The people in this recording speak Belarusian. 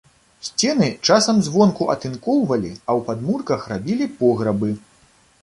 Сцены часам звонку атынкоўвалі, а ў падмурках рабілі пограбы.